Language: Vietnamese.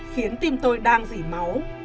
khiến tim tôi đang rỉ máu